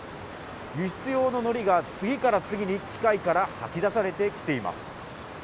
輸出用ののりが次から次に機械から吐き出されてきています。